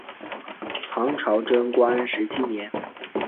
唐朝贞观十七年。